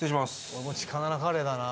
俺もチカナナカレーだな。